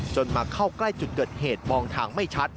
มาเข้าใกล้จุดเกิดเหตุมองทางไม่ชัด